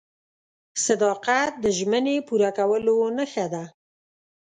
• صداقت د ژمنې پوره کولو نښه ده.